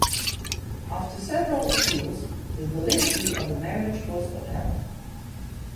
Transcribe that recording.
After several appeals the validity of the marriage was upheld.